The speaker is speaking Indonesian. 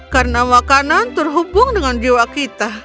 karena makanan terhubung dengan jiwa kita